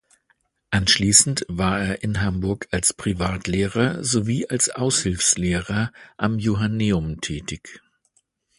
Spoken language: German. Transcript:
Anschließend war er in Hamburg als Privatlehrer sowie als Aushilfslehrer am Johanneum tätig.